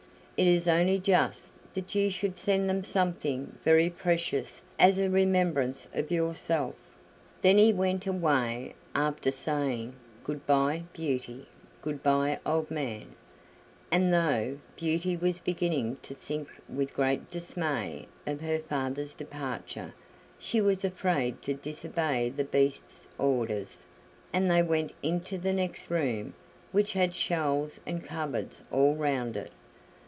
It is only just that you should send them something very precious as a remembrance of yourself." Then he went away, after saying, "Good by, Beauty; good by, old man"; and though Beauty was beginning to think with great dismay of her father's departure, she was afraid to disobey the Beast's orders; and they went into the next room, which had shelves and cupboards all round it.